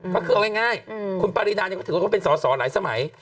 ก็คือเอาง่ายคุณปรินาก็ถือว่าเขาเป็นสอสอหลายสมัย